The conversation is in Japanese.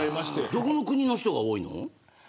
どこの国の人が多いの。